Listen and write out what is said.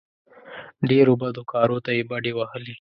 ډېرو بدو کارو ته یې بډې وهلې.